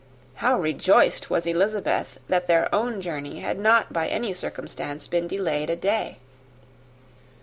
How rejoiced was Elizabeth that their own journey had not by any circumstance been delayed a day!